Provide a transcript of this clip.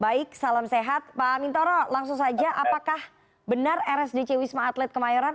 baik salam sehat pak mintoro langsung saja apakah benar rsdc wisma atlet kemayoran